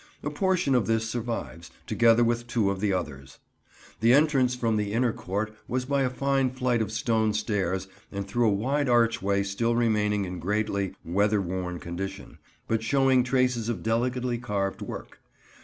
A portion of this survives, together with two of the others. The entrance from the Inner Court was by a fine flight of stone stairs and through a wide archway still remaining in greatly weather worn condition, but showing traces of delicately carved work.